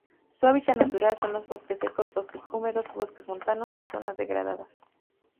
Su hábitat natural son los bosques secos, bosques húmedos, bosques montanos y zonas degradadas.